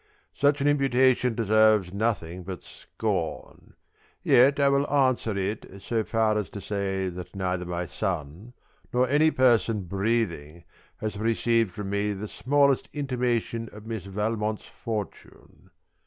Such an imputation deserves nothing but scorn, yet I will answer it so far as to say that neither my son, nor any person breathing has received from me the smallest intimation of Miss Valmont's fortune.